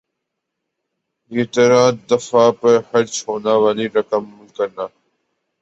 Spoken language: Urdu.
یِہ طرح دفاع پر خرچ ہونا والی رقم ملک کرنا